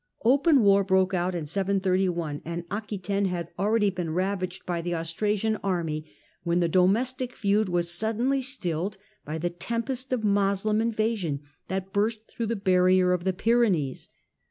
Open war broke out in 731, and Aquetaine had Iready been ravaged by the Austrasian army, when the lomestic feud was suddenly stilled by the tempest of fvloslem invasion that burst through the barrier of the Pyrenees.